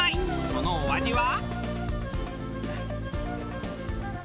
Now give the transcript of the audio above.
そのお味は。